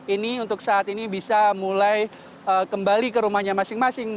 ini untuk saat ini bisa mulai kembali ke rumahnya masing masing